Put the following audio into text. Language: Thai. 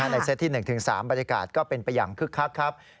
เซตที่๑๓บรรยากาศก็เป็นไปอย่างคึกคักครับ